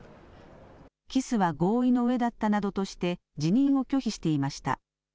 キスは合意のうえだったなどとして、辞任を拒否していました。